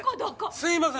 すいません！